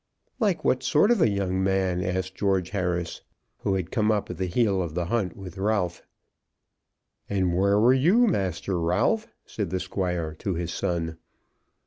"Like what sort of a young man?" asked George Harris, who had come up at the heel of the hunt with Ralph. "And where were you, Master Ralph?" said the Squire to his son.